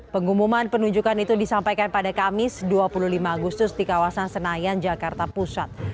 pengumuman penunjukan itu disampaikan pada kamis dua puluh lima agustus di kawasan senayan jakarta pusat